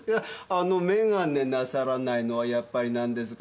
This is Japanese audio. あの眼鏡なさらないのはやっぱりなんですか。